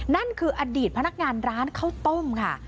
นั่นคืออดีตพนักงานร้านข้าวต้มค่ะ